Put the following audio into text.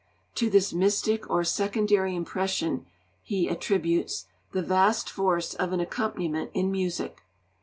To this 'mystic or secondary impression' he attributes 'the vast force of an accompaniment in music....